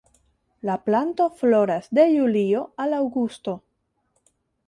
La planto floras de julio al aŭgusto.